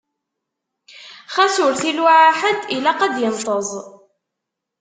Xas ur t-iluɛa ḥedd, ilaq ad d-inṭeẓ.